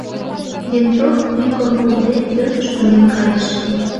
Венцов, йӱкым пуыде, пӧртыш пурен кайыш.